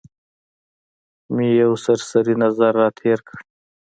مې یو سرسري نظر را تېر کړ.